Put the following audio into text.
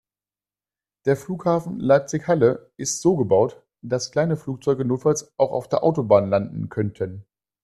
Der Flughafen Leipzig/Halle ist so gebaut, dass kleine Flugzeuge notfalls auch auf der Autobahn landen könnten.